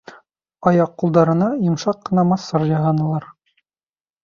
Аяҡ-ҡулдарына йомшаҡ ҡына массаж яһанылар.